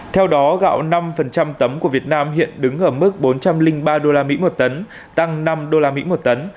theo đó gạo năm tấm của việt nam hiện đứng ở mức bốn trăm linh ba usd một tấn tăng năm usd một tấn